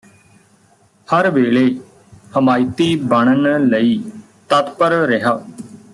ਹਰ ਵੇਲੇ ਹਮਾਇਤੀ ਬਣਨ ਲਈ ਤਤਪਰ ਰਿਹਾ